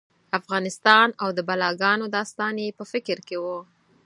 افغانستان او د بلاګانو داستان یې په فکر کې و.